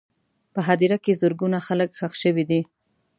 په هدیره کې زرګونه خلک ښخ شوي دي.